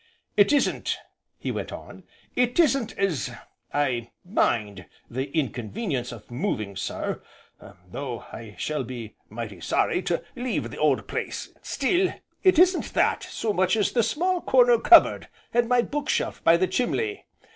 "It isn't," he went on, "it isn't as I mind the inconvenience of moving, sir though I shall be mighty sorry to leave the old place, still, it isn't that so much as the small corner cup board, and my bookshelf by the chimley.